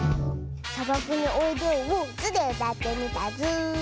「さばくにおいでよ」を「ズ」でうたってみたズー。